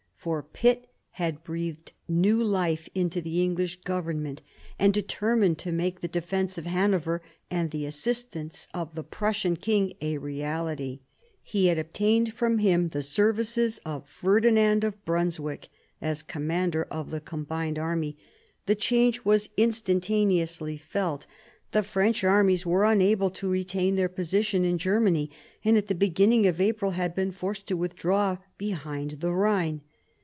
For Pitt had breathed new life into the English Government, and, determined to make the defence of Hanover and the assistance of the Prussian king a reality, he had obtained from him the services of Ferdinand of Brunswick as commander of the combined army. The change was instantaneously felt. The French armies were unable to retain their position in Germany, and at the beginning of April had been forced to withdraw behind the Ehine.